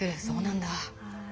そうなんだ。